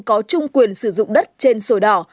có chung quyền sử dụng đất trên sổ đỏ